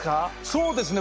そうですね